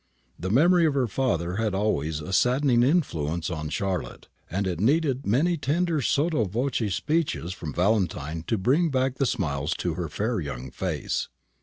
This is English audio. The memory of her father had always a saddening influence on Charlotte; and it needed many tender sotto voce speeches from Valentine to bring back the smiles to her fair young face.